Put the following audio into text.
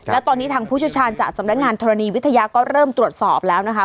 และตอนนี้ทางผู้เชี่ยวชาญจากสำนักงานธรณีวิทยาก็เริ่มตรวจสอบแล้วนะคะ